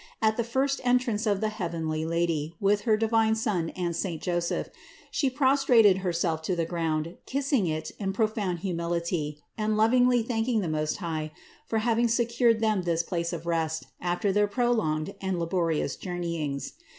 At the first en trance of the heavenly Lady with her divine Son and saint Joseph, She prostrated Herself to the ground, kiss ing it in profound humility and lovingly thanking the Most High for having secured them this place of rest after their prolonged and laborious journeyings.